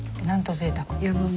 なんとぜいたく。